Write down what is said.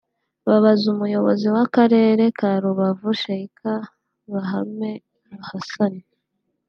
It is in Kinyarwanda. Babaza Umuyobozi w’Akarere ka Rubavu Sheikh Bahame Hassan